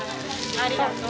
ありがとう。